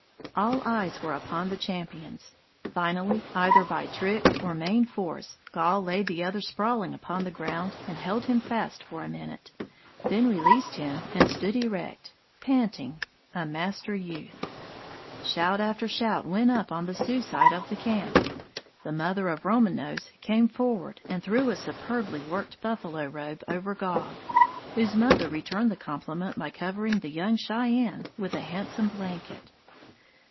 All eyes were upon the champions. Finally, either by trick or main force, Gall laid the other sprawling upon the ground and held him fast for a minute, then released him and stood erect, panting, a master youth. Shout after shout went up on the Sioux side of the camp. The mother of Roman Nose came forward and threw a superbly worked buffalo robe over Gall, whose mother returned the compliment by covering the young Cheyenne with a handsome blanket.